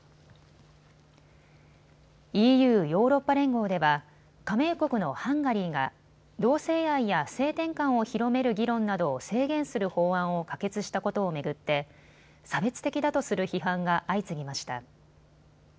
ＥＵ・ヨーロッパ連合では加盟国のハンガリーが同性愛や性転換を広める議論などを制限する法案を可決したことを巡って差別的だとする批判が相次ぎました。